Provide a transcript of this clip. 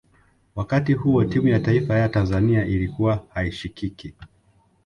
wakati huo timu ya taifa ya tanzania ilikuwa haishikiki